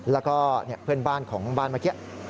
แล้วก็เพื่อนบ้านของบ้านเมื่อกี้